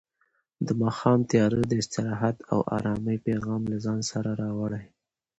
د ماښام تیاره د استراحت او ارامۍ پیغام له ځان سره راوړي.